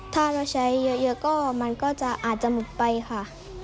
ถ้าเราใช้เยอะก็มันก็จะอาจจะหมดไปค่ะ